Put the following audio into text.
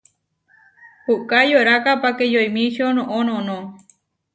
Puʼká yoráka páke yoímičio noʼó noʼnó.